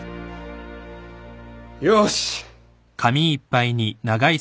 よし！